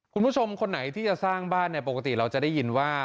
คุณผู้ชมคนไหนที่จะสร้างบ้านเนี่ยปกติเราจะได้ยินว่า